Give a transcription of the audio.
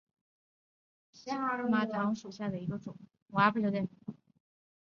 红尾翎为禾本科马唐属下的一个种。